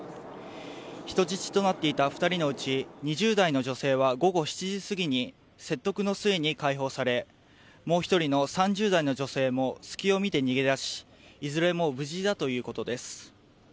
人質となっていた２人のうち２０代の女性は午後７時すぎに説得の末に開放されもう１人の３０代の女性も隙を見て逃げ出しいずれも無事だということです。